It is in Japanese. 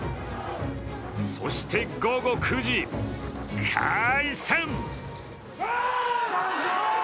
そして午後９時、開戦！